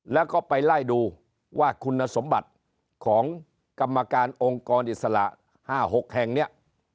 แล้วก็ไปไล่ดูว่าคุณสมบัติของกรรมการองค์กรอิสระ๕๖แห่งเนี่ย